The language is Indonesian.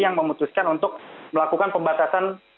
yang memutuskan untuk melakukan pembatasan